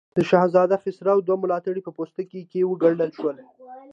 د شهزاده خسرو دوه ملاتړي په پوستکو کې وګنډل شول.